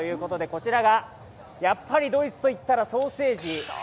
こちらがやっぱりドイツといったらソーセージ。